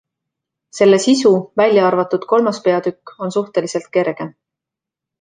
Selle sisu, välja arvatud kolmas peatükk, on suhteliselt kerge.